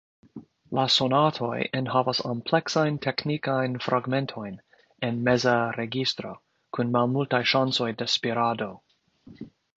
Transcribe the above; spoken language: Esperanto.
La sonatoj enhavas ampleksajn teknikajn fragmentojn en meza registro kun malmultaj ŝancoj de spirado.